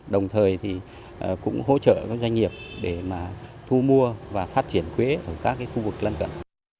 đồng thời thì cũng hỗ trợ các doanh nghiệp để thu mua và phát triển quế ở các khu vực lân cận